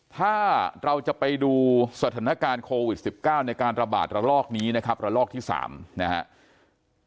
ถ้าเราจะไปดูสถานการณ์โควิด๑๙ในการระบาดระลอกนี้นะครับระลอกที่๓นะครับ